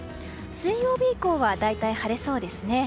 水曜日以降は大体晴れそうですね。